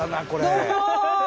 どうも！